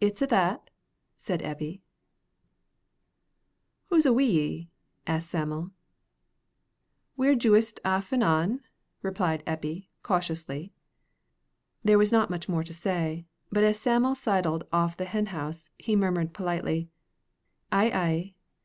"It's a' that," said Eppie. "Hoo's a' wi' ye?" asked Sam'l. "We're juist aff an' on," replied Eppie, cautiously. There was not much more to say, but as Sam'l sidled off the hen house, he murmured politely, "Ay, ay."